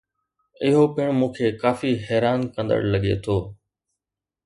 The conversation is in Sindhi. اهو پڻ مون کي ڪافي حيران ڪندڙ لڳي ٿو.